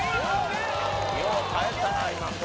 よう耐えたな今のとこ。